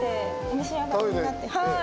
お召し上がりになってはい。